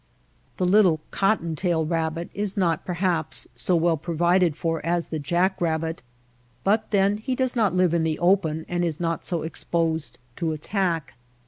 The little ^' cotton tail '' rabbit is not perhaps so well provided for as the jack rabbit ; but then he does not live in the open and is not so exposed to attack.